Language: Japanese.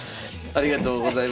ありがとうございます。